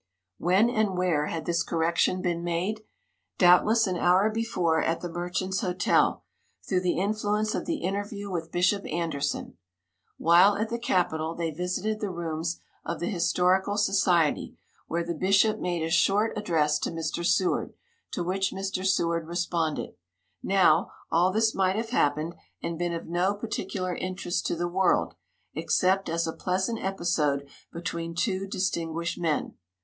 When and where had this correction been made? Doubtless an hour before, at the Merchant's Hotel, through the influence of the interview with Bishop Anderson. While at the capitol they visited the rooms of the Historical Society, where the bishop made a short address to Mr. Seward, to which Mr. Seward responded. Now, all this might have happened, and been of no particular interest to the world, except as a pleasant episode between two distinguished men.